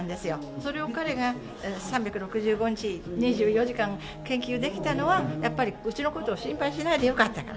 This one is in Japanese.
それを彼が３６５日、２４時間研究できたのは、やっぱりうちのことを心配しないでよかったから。